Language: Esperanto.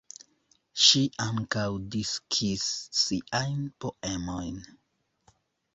Ŝi ankaŭ diskis siajn poemojn.